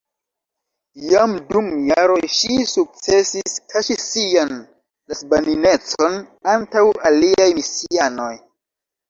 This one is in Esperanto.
Jam dum jaroj ŝi sukcesis kaŝi sian lesbaninecon antaŭ aliaj misianoj.